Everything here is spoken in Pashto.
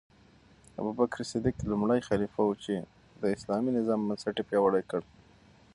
ابوبکر صدیق لومړی خلیفه و چې د اسلامي نظام بنسټ یې پیاوړی کړ.